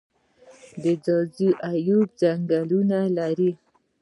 د ځاځي اریوب ځنګلونه لري